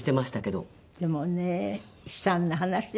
でもね悲惨な話ですよね